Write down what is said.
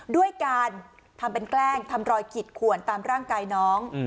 ด้วยการทำเป็นแกล้งทำรอยขีดขวนตามร่างกายน้อง